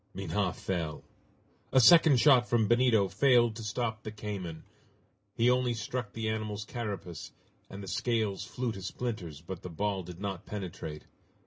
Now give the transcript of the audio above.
Minha fell. A second shot from Benito failed to stop the cayman. He only struck the animal's carapace, and the scales flew to splinters but the ball did not penetrate.